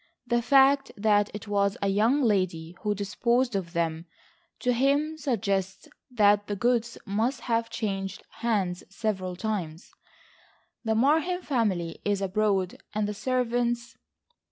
The fact that it was a young lady who disposed of them to him suggests that the goods must have changed hands several times. The Marheim family is abroad, and the servants...."